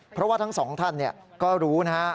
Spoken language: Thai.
เพราะว่าทั้งสองท่านก็รู้นะฮะ